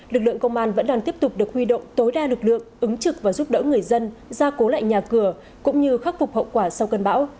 lực lượng công an vẫn đang tiếp tục được huy động tối đa lực lượng ứng trực và giúp đỡ người dân ra cố lại nhà cửa cũng như khắc phục hậu quả sau cơn bão